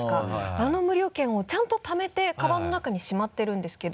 あの無料券をちゃんとためてカバンの中にしまってるんですけど。